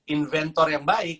inventor yang baik